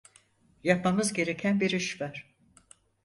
Yapmamız gereken bir iş var.